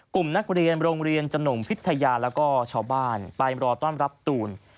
กลุ่มนักเรียนโรงเรียนจนงพิทยาแล้วก็ชาวบ้านไปรอต้อนรับตูน